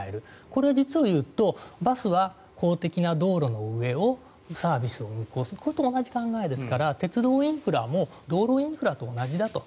これ実をいうとバスは公的な道路の上をサービスを運行するこれと同じ考えですから鉄道インフラも道路インフラと同じだと。